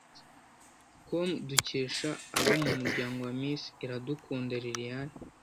com dukesha abo mu muryango wa Miss Iradukunda Liliane